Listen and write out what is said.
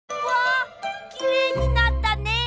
わあきれいになったね。